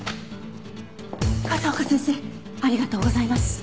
風丘先生ありがとうございます！